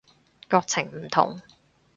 國情唔同